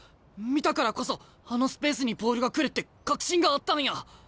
見たからこそあのスペースにボールが来るって確信があったんや。